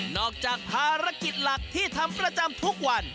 จากภารกิจหลักที่ทำประจำทุกวัน